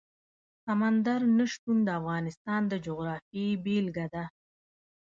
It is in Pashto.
سمندر نه شتون د افغانستان د جغرافیې بېلګه ده.